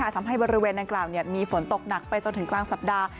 ทำให้บริเวณดังกล่าวมีฝนตกหนักไปจนถึงกลางสัปดาห์